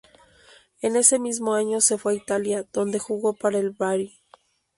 En ese mismo año se fue a Italia, donde jugó para el Bari.